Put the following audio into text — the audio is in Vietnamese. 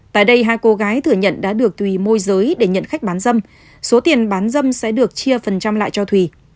tại đây hai cô gái thừa nhận đã được thùy môi giới để nhận khách bán dâm số tiền bán dâm sẽ được chia phần trăm lại cho thùy